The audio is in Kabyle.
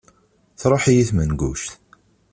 Truḥ-iyi tmenguct.